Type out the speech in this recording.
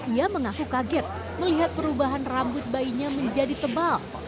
ia mengaku kaget melihat perubahan rambut bayinya menjadi tebal